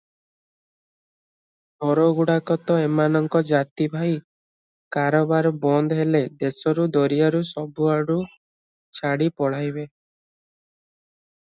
ଚୋରଗୁଡ଼ାକ ତ ଏମାନଙ୍କ ଜାତି ଭାଇ, କାରବାର ବନ୍ଦ ହେଲେ ଦେଶରୁ ଦରିଆରୁ ସବୁଆଡୁ ଛାଡ଼ି ପଳାଇବେ ।